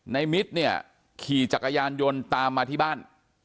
มิตรเนี่ยขี่จักรยานยนต์ตามมาที่บ้าน